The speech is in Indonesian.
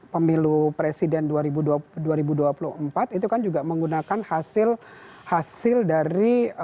pemilu presiden dua ribu dua puluh empat itu kan juga menggunakan hasil dari